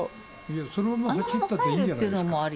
そのまま帰ってもいいんじゃないですか。